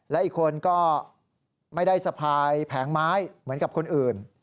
และอีกคนก็ไม่ได้สะพายแผงไม้เหมือนกับคนอื่น